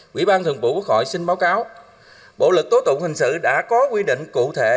quỹ ban thượng bộ quốc hội xin báo cáo bộ lực tố tụng hình sự đã có quy định cụ thể